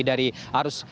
dari arus lalu lintas